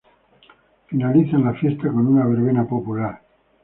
Finalizan las fiestas con una verbena popular.